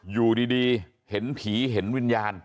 อยู่ดีเห็นผีเห็นวิญญาณ